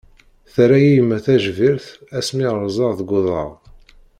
Terra-iyi yemma tajbirt ass mi ṛẓeɣ deg uḍaṛ.